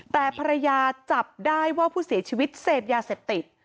แต่ภรรยาจับได้ว่าผู้เสียชีวิตเสพยาเสพติด